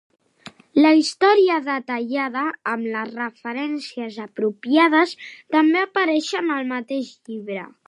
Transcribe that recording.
La història detallada, amb les referències apropiades, també apareixen al mateix llibre.